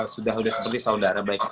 sudah sudah seperti saudara baik